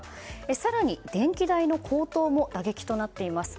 更に、電気代の高騰も打撃となっています。